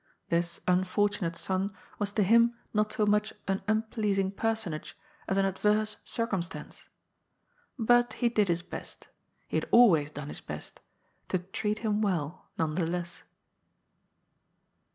This unfortunate son was to him not so much an unpleasing personage as an adverse circumstance. But he did his best — ^he had always done his best — to treat him well, none the less.